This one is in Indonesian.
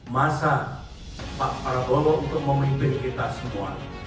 masa pak prabowo untuk memimpin kita semua